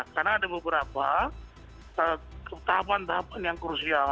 karena ada beberapa tahapan tahapan yang krusial